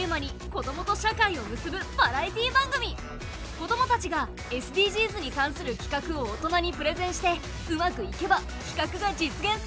子どもたちがＳＤＧｓに関するきかくを大人にプレゼンしてうまくいけばきかくが実現するよ！